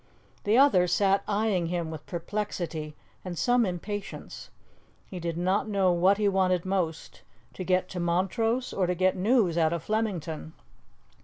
The other sat eyeing him with perplexity and some impatience. He did not know what he wanted most to get to Montrose, or to get news out of Flemington.